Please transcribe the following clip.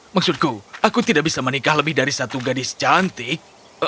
maksudku aku tidak bisa menikah lebih dari satu gadis cantik